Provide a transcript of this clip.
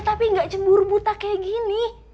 ya tapi gak cemburu buta kayak gini